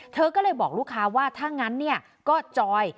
เธอก็เลยบอกลูกค้าว่าถ้างั้นเนี่ยก็จอย